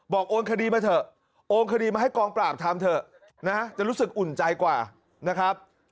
โอนคดีมาเถอะโอนคดีมาให้กองปราบทำเถอะนะจะรู้สึกอุ่นใจกว่านะครับ